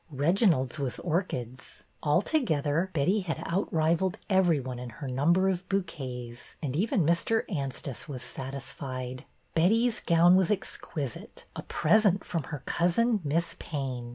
Reginald's was orchids. Alto gether, Betty had outrivalled every one in her number of bouquets, and even Mr. Anstice was satisfied. Betty's gown was exquisite, a present from her cousin. Miss Payne.